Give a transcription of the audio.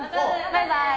バイバイ。